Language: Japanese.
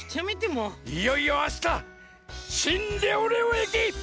いよいよあしたシン・レオレオえき